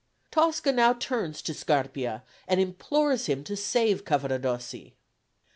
Tosca now turns to Scarpia, and implores him to save Cavaradossi.